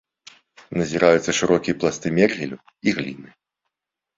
Назіраюцца шырокія пласты мергелю і гліны.